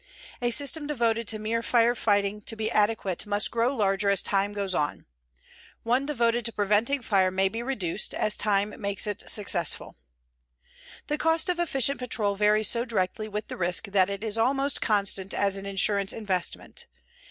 A system devoted to mere fire fighting to be adequate must grow larger as time goes on. One devoted to preventing fire may be reduced, as time makes it successful. The cost of efficient patrol varies so directly with the risk that it is almost constant as an insurance investment.